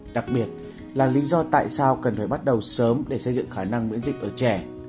đặc biệt là lý do tại sao cần phải bắt đầu sớm để xây dựng khả năng miễn dịch ở trẻ